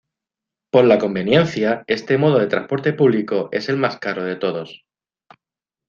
Por la conveniencia, este modo de transporte público es el más caro de todos.